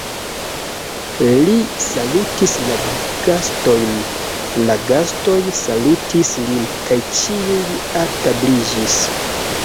Li salutis la gastojn, la gastoj salutis lin, kaj ĉiuj altabliĝis.